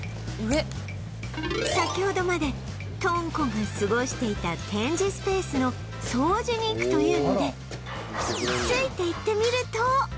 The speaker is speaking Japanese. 先ほどまでとんこが過ごしていた展示スペースの掃除に行くというので